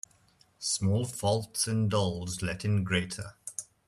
Small faults indulged let in greater.